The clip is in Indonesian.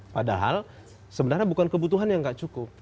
padahal sebenarnya bukan kebutuhannya yang enggak cukup